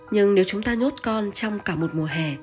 nhưng nếu chúng ta nhốt con trong cả một mùa hè